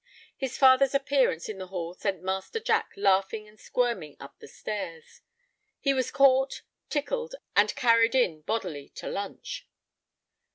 His father's appearance in the hall sent Master Jack laughing and squirming up the stairs. He was caught, tickled, and carried in bodily to lunch.